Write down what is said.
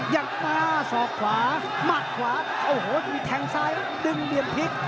อย่างน้าสอบขวามาดขวาโอ้โหมีแทงซ้ายดึงเบียนพลิก